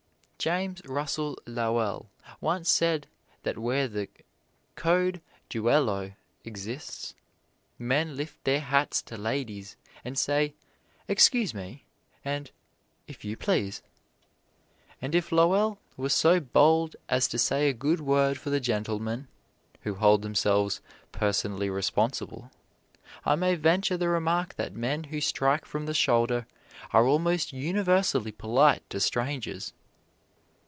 James Russell Lowell once said that where the "code duello" exists, men lift their hats to ladies, and say "Excuse me" and "If you please." And if Lowell was so bold as to say a good word for the gentlemen who hold themselves "personally responsible," I may venture the remark that men who strike from the shoulder are almost universally polite to strangers.